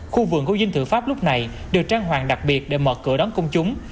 khu vườn của dinh thự pháp lúc này được trang hoàng đặc biệt để mở cửa đón công chúng